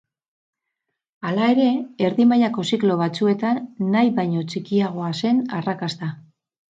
Hala ere, erdi-mailako ziklo batzuetan nahi baino txikiagoa zen arrakasta.